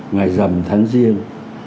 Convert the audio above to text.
ngày giảm tháng riêng